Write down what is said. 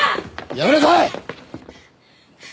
やめなさい！